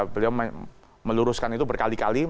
beliau meluruskan itu berkali kali